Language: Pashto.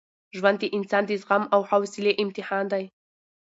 ژوند د انسان د زغم او حوصلې امتحان دی.